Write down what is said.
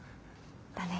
だね。